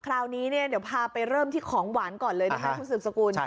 คราวนี้เนี่ยเดี๋ยวพาไปเริ่มที่ของหวานก่อนเลยนะคะคุณสืบสกุล